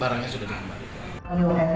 barangnya sudah nambah